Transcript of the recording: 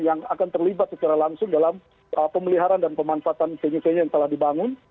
yang akan terlibat secara langsung dalam pemeliharaan dan pemanfaatan venue venue yang telah dibangun